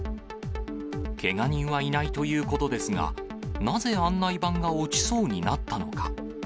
けが人はいないということですが、なぜ案内板が落ちそうになったのか。